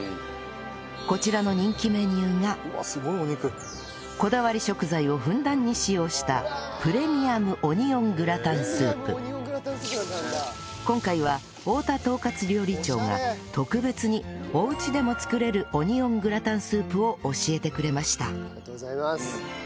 こちらの人気メニューがこだわり食材をふんだんに使用した今回は太田統括料理長が特別におうちでも作れるオニオングラタンスープを教えてくれました